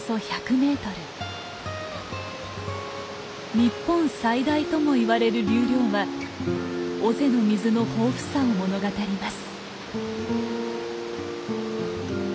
日本最大ともいわれる流量は尾瀬の水の豊富さを物語ります。